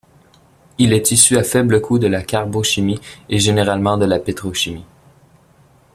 Il est issu à faible coût de la carbochimie, et généralement de la pétrochimie.